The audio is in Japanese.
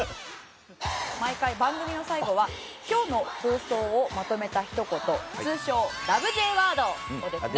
毎回番組の最後は今日の放送をまとめたひと言通称「ラブ！！Ｊワード」をですね